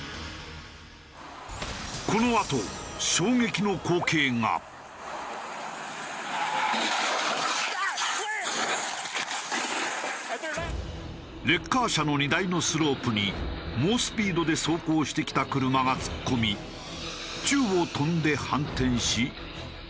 このあとレッカー車の荷台のスロープに猛スピードで走行してきた車が突っ込み宙を飛んで反転し落下。